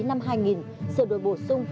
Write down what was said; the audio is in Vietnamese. năm hai nghìn sửa đổi bổ sung